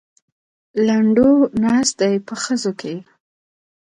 لنډو ناست دی په خزو کې.